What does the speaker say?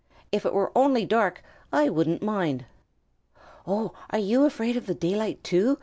If it were only dark I wouldn't mind." "Oh, are you afraid of the daylight too?"